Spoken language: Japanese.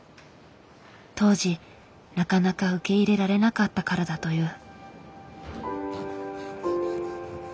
当時なかなか受け入れられなかったからだという。